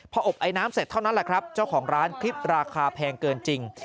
พออบไอน้ำเสร็จเท่านั้นแหละครับเจ้าของร้านคลิปราคาแพงเกินจริง